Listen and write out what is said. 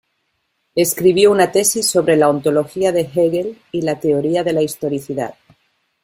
Escribió una tesis sobre "La ontología de Hegel y la teoría de la historicidad".